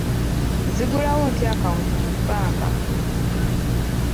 Nzigulawo ntya akawunti mu bbanka?